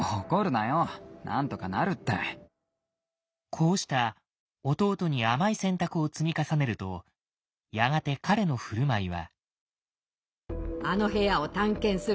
こうした弟に甘い選択を積み重ねるとやがて彼の振る舞いは。